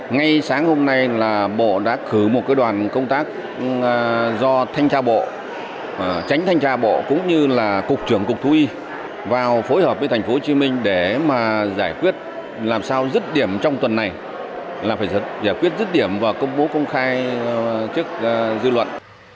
nói chung là phải giải quyết rứt điểm và công bố công khai trước dư luận